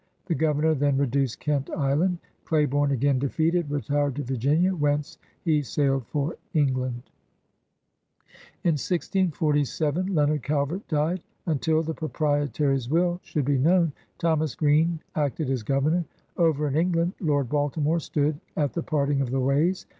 The Governor then reduced Kent Island. Claiborne, again defeated, retired to Vir ginia, whence he sailed for England. In 1647 Leonard Calvert died. Until the Pro prietary's will should be known, Thomas Greene acted as Governor. Over in England, Lord Balti more stood at the parting of the ways...